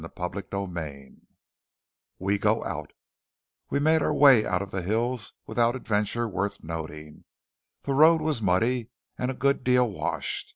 CHAPTER XLI WE GO OUT We made our way out of the hills without adventure worth noting. The road was muddy, and a good deal washed.